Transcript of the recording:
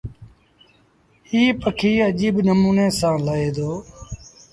ايٚ پکي اجيب نموٚني سآݩ لهي دو۔